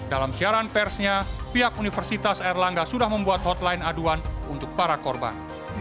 dalam siaran persnya pihak universitas erlangga sudah membuat hotline aduan untuk para korban